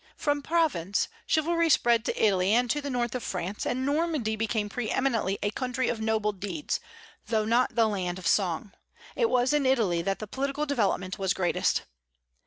From Provence chivalry spread to Italy and to the north of France, and Normandy became pre eminently a country of noble deeds, though not the land of song. It was in Italy that the poetical development was greatest.